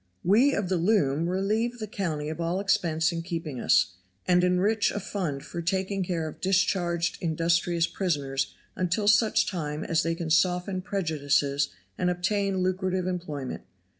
We of the loom relieve the county of all expense in keeping us, and enrich a fund for taking care of discharged industrious prisoners until such time as they can soften prejudices and obtain lucrative employment.